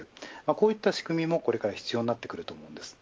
こういった仕組みもこれから必要になってくると思うんです。